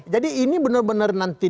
jadi ini benar benar nanti